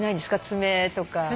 爪とか。